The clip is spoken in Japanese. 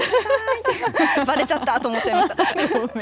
ばれちゃったーと思っちゃいました。